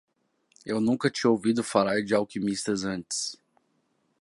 Eu nunca tinha ouvido falar de alquimistas antes